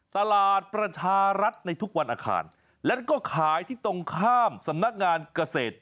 ตลาดประชารัฐในทุกวันอาคารแล้วก็ขายที่ตรงข้ามสำนักงานเกษตร